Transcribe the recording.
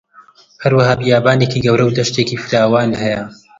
هەروەها بیابانێکی گەورە و دەشتێکی فران هەیە